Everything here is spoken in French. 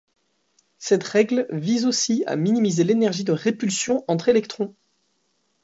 Cette règle vise aussi à minimiser l'énergie de répulsion entre électrons.